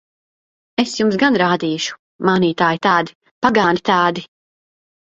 Es jums gan rādīšu! Mānītāji tādi! Pagāni tādi!